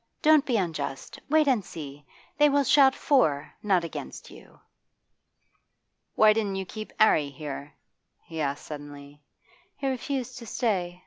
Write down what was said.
'Don't be unjust. Wait and see. They will shout for, not against you.' 'Why didn't you keep 'Arry here?' he asked suddenly. 'He refused to stay.